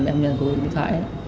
mẹ em nhận cô ấy